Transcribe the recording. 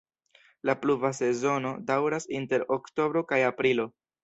La pluva sezono daŭras inter oktobro kaj aprilo.